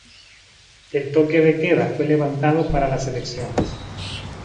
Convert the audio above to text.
El toque de queda fue levantado para las elecciones.